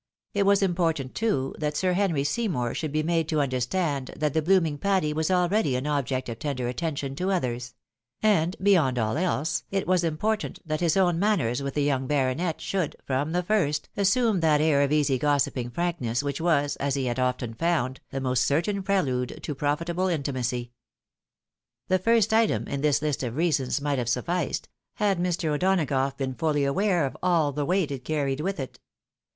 It was im portant, too, that Sir Henry Seymour should be made to under stand that the blooming Patty was abeady an object of tender attention to others ; and, beyond all else, it was important that his own manners with the young baronet should, from the first, assume that air of easy gossiping frankness which was, as he had often found, the most certain prelude to profitable intimacy. The first item in this list of reasons might have sufficed, had Mr. O'Donagough been fully aware of the weight it carried with it.